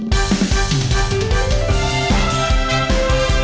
โปรดติดตามตอนต่อไป